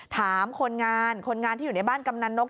ถามคนงานคนงานที่อยู่ในบ้านกำนันนก